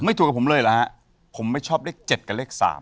ถูกกับผมเลยเหรอฮะผมไม่ชอบเลข๗กับเลข๓